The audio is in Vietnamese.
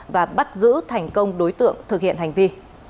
và bắt giữ thành công đối tượng thực hiện hành vi